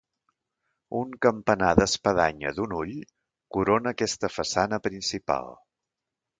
Un campanar d'espadanya d'un ull corona aquesta façana principal.